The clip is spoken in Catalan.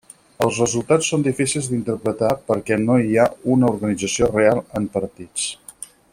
Els resultats són difícils d'interpretar perquè no hi ha una organització real en partits.